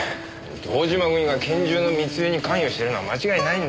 堂島組が拳銃の密輸に関与してるのは間違いないんだ。